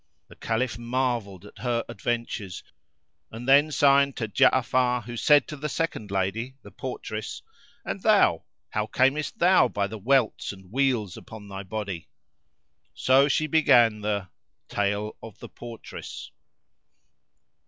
The Caliph marvelled at her adventures and then signed to Ja'afar who said to the second lady, the Portress, "And thou, how camest thou by the welts and wheals upon thy body?" So she began the Tale of the Portress.